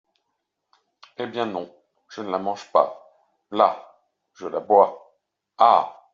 Eh, bien non ! je ne la mange pas ! là ! je la bois ! ah !